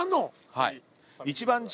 はい。